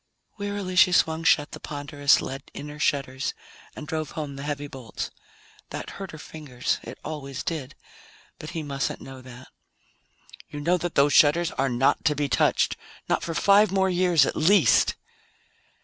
Wearily she swung shut the ponderous lead inner shutters and drove home the heavy bolts. That hurt her fingers; it always did, but he mustn't know that. "You know that those shutters are not to be touched! Not for five more years at least!"